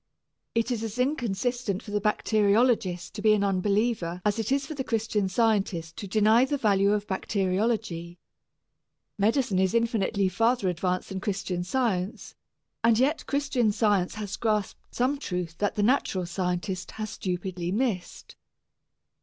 It is as inconsistent for the bacteriologist to be an unbeliever as it is for the Christian Scientist to deny the value of bacteriology. Medicine is infinitely farther advanced than Christian Science, and yet Christian Science has grasped some truth that the natural scientist has stupidly missed.